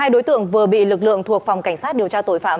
hai đối tượng vừa bị lực lượng thuộc phòng cảnh sát điều tra tội phạm